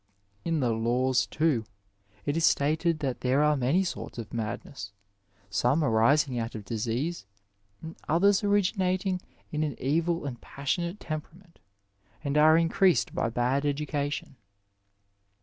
In the jCofiw, too, it is stated that iheite ate many sorts of madness, some arising out of disease, and others originating in an evil and passionate temperament, and are increased by bad edncation.